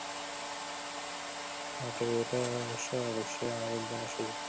আটে উঠে আসা অবশ্যই আমাদের জন্য সুযোগ।